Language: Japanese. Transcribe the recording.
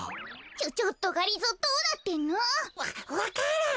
ちょちょっとがりぞーどうなってんの？わわからん。